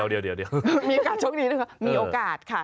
เดี๋ยวมีโอกาสโชคดีด้วยไหมครับมีโอกาสค่ะ